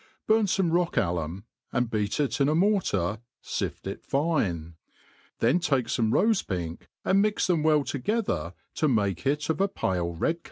BURN fomeroch*alum, and beat it in a mortar, fift it fine; then take fome rofe pink, and mix them well together to make it of a pale red.